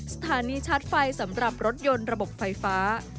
สถานีชาร์จไฟสำหรับรถยนต์ระบบไฟฟ้า